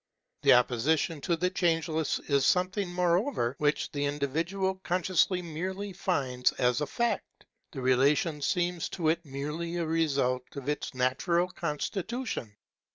The opposition to the Changeless is something, moreover, which the individual consciousness merely finds as a fact. The relation seems to it merely a result of its natural constitution.